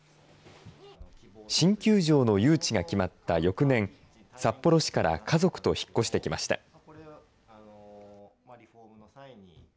新球場の誘致が決まった翌年、札幌市から家族と引っ越してきました。